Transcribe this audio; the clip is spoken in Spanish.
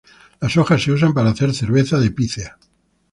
Las hojas se usan para hacer cerveza de pícea.